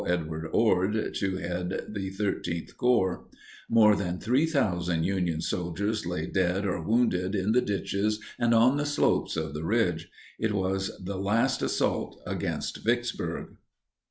Edward Ord to head the XIII Corps. More than 3,000 Union soldiers lay dead or wounded in the ditches and on the slopes of the ridge. It was the last assault against Vicksburg.